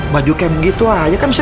baju kayak begitu aja kan bisa